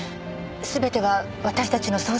全ては私たちの想像でした。